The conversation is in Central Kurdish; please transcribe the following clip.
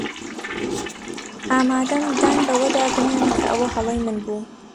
ئامادەم دان بەوەدا بنێم کە ئەوە هەڵەی من بوو.